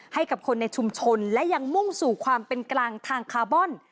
ให้กับคนในชุมชนและยังมุ่งสู่ความเป็นกลางทางคาร์บอน